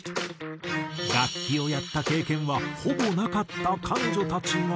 楽器をやった経験はほぼなかった彼女たちが。